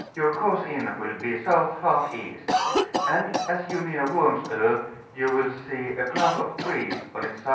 Your course in will be S. J E. ; and as you near Worms Oe, you will see a clump of trees on its S.W.